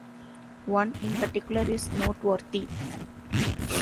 One, in particular is noteworthy.